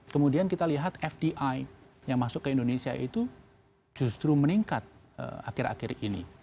kemudian kita lihat fdi yang masuk ke indonesia itu justru meningkat akhir akhir ini